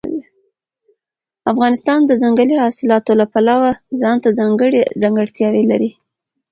افغانستان د ځنګلي حاصلاتو له پلوه ځانته ځانګړې ځانګړتیاوې لري.